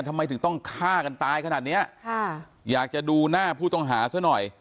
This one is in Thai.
ทำไมถึงต้องฆ่ากันตายขนาดเนี้ยค่ะอยากจะดูหน้าผู้ต้องหาซะหน่อย